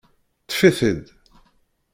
Ṭṭef-it-id!